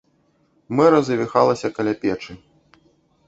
Мэра завіналася каля печы.